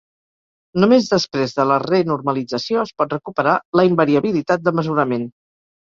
Només després de la renormalització es pot recuperar la invariabilitat de mesurament.